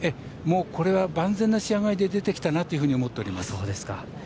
これは万全な仕上がりで出てきたなと思っております。